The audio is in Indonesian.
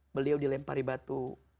beliau dilempari batu